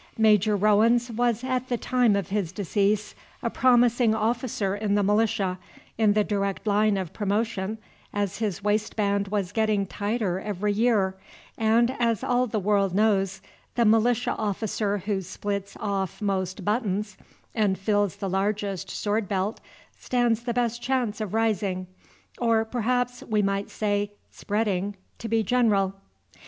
Major Rowens was at the time of his decease a promising officer in the militia, in the direct line of promotion, as his waistband was getting tighter every year; and, as all the world knows, the militia officer who splits off most buttons and fills the largest sword belt stands the best chance of rising, or, perhaps we might say, spreading, to be General.